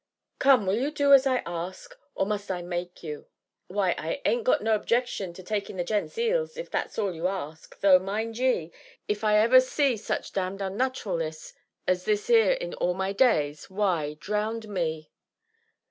"Come, will you do as I ask, or must I make you?" "Why, I ain't got no objection to taking the gent's 'eels, if that's all you ask, though mind ye, if ever I see such damned onnat'ralness as this 'ere in all my days, why drownd me!"